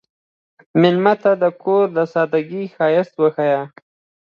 مېلمه ته د کور د سادګۍ ښایست وښیه.